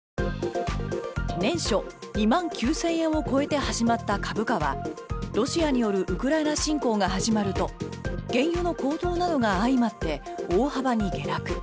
年初、２万９０００円を超えて始まった株価はロシアによるウクライナ侵攻が始まると原油の高騰などが相まって大幅に下落。